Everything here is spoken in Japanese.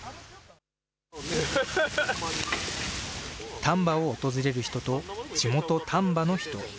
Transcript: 丹波を訪れる人と、地元、丹波の人。